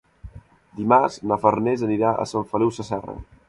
Dimarts na Farners anirà a Sant Feliu Sasserra.